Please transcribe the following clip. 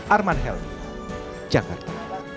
arman helmi jakarta